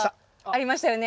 ありましたよね？